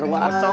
selamat mas boy